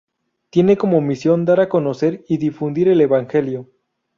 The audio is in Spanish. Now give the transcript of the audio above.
Tiene como misión dar a conocer y difundir el Evangelio.